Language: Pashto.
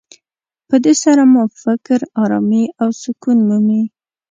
په دې سره مو فکر ارامي او سکون مومي.